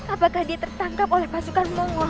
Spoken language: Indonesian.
apakah dia tertangkap oleh pasukan mongo